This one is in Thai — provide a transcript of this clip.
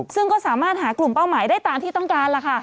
ซึ่งก็สามารถหากลุ่มเป้าหมายได้ตามที่ต้องการล่ะค่ะ